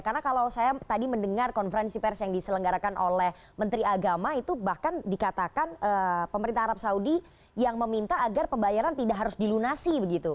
karena kalau saya tadi mendengar konferensi pers yang diselenggarakan oleh menteri agama itu bahkan dikatakan pemerintah arab saudi yang meminta agar pembayaran tidak harus dilunasi begitu